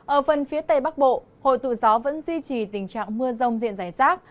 ở phần phía tây bắc bộ hội tụ gió vẫn duy trì tình trạng mưa rông diện giải sát